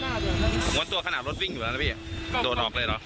ผมก็วนตัวขนาดรถวิ่งดูแล้วนะพี่โดดออกเลยเหรอ